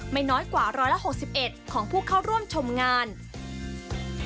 ไม่น้อยกว่า๑๖๑ของผู้เข้าร่วมชมงาน